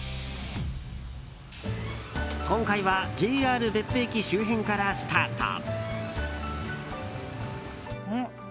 今回はＪＲ別府駅周辺からスタート。